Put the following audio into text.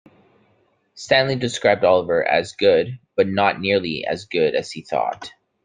Stanley described Oliver, as 'good, but not nearly as good as he thought'.